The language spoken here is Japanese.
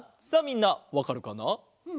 さあみんなわかるかな？